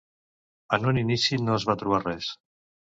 En un inici no es va trobar res.